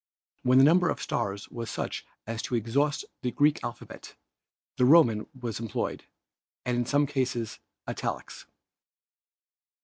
When the number of stars was such as to exhaust the Greek alphabet the Roman was employed and in some cases italics.